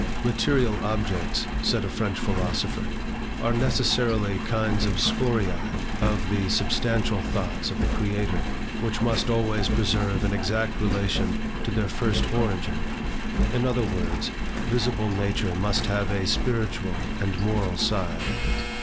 "Material objects," said a French philosopher, "are necessarily kinds of scoriae of the substantial thoughts of the Creator, which must always preserve an exact relation to their first origin; in other words, visible nature must have a spiritual and moral side."